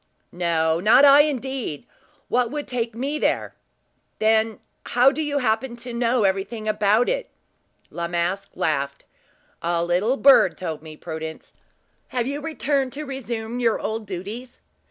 "No. Not I, indeed! What would take me there?" "Then how do you happen to know everything about it?" La Masque laughed. "A little bird told me, Prudence! Have you returned to resume your old duties?"